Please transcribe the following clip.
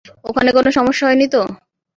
ওখানে কোনো সমস্যা হয়নি তো?